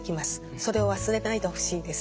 それを忘れないでほしいです。